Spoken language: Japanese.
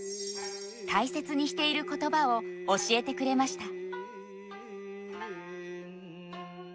大切にしていることばを教えてくれました。